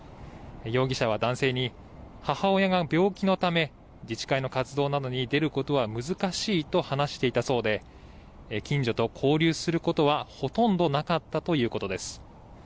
容疑者は男性に母親が病気のため自治会の活動などに出ることは難しいと話していたそうで近所と交流することはほとんどなかったということです。